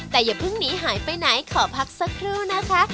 แต่อย่าเพิ่งหนีหายไปไหนขอพักสักครู่นะคะ